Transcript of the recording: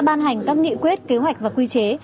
ban hành các nghị quyết kế hoạch và quy chế